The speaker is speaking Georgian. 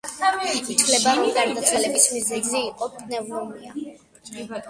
ითვლება რომ გარდაცვალების მიზეზი იყო პნევმონია.